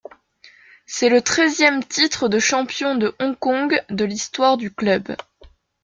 C'est le treizième titre de champion de Hong Kong de l'histoire du club.